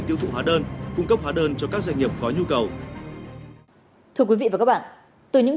tiêu thụ hóa đơn cung cấp hóa đơn cho các doanh nghiệp có nhu cầu thưa quý vị và các bạn từ những